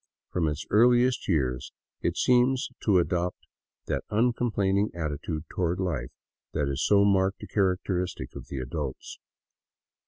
From its earliest years it seems to adopt that uncom plaining attitude toward life that is so marked a characteristic of the Nadults.